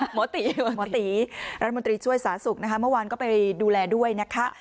หมอตีหมอตีรัฐมนตรีช่วยสาธารณสุขนะคะเมื่อวานก็ไปดูแลด้วยนะคะ